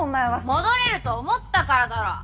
戻れると思ったからだろ！